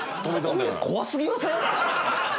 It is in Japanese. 怖すぎません？